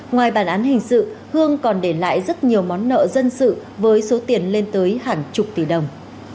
ngoài bản án hình sự hương còn để lại rất nhiều món nợ dân sự với số tiền lên tới hàng chục tỷ đồng